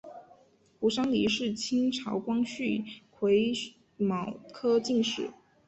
胡商彝是清朝光绪癸卯科进士。